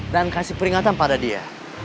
kasih peringatan pada dia